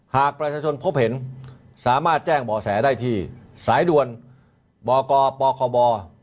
หากประชาชนพบเห็นสามารถแจ้งบ่อแสได้ที่สายด่วนบกปคบ